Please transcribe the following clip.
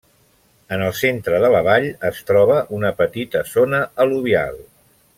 En el centre de la vall es troba una petita zona al·luvial.